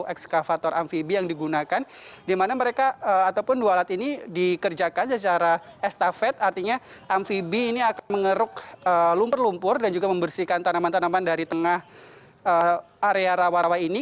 ekskavator amfibi yang digunakan dimana mereka ataupun dua alat ini dikerjakan secara estafet artinya amfibi ini akan mengeruk lumpur lumpur dan juga membersihkan tanaman tanaman dari tengah area rawa rawa ini